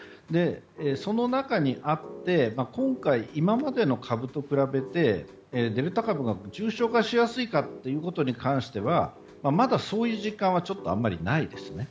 その中にあって、今回今までの株と比べてデルタ株は重症化しやすいかということに関してはまだそういう実感はあんまりないですね。